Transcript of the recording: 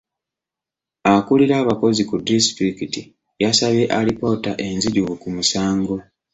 Akulira abakozi ku disitulikiti yasabye alipoota enzijuvu ku musango.